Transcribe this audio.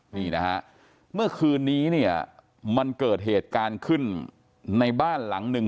นี่นะฮะเมื่อคืนนี้เนี่ยมันเกิดเหตุการณ์ขึ้นในบ้านหลังหนึ่ง